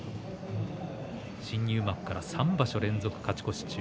新入幕から３場所連続勝ち越し中。